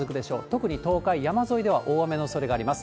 特に東海、山沿いでは大雨のおそれがあります。